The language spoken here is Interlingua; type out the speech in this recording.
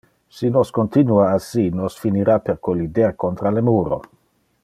Si nos continua assi, nos finira per collider contra le muro.